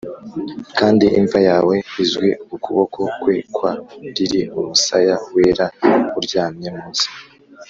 kandi imva yawe izwi!ukuboko kwe kwa lili umusaya wera uryamye munsi,